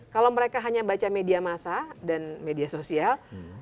kalau mereka hanya baca media massa dan media sosial